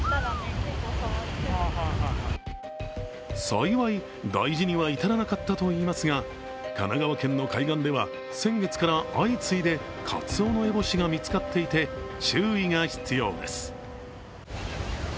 幸い、大事には至らなかったといいますが、神奈川県の海岸では先月から相次いで、カツオノエボシが見つかっていて注意が必要です。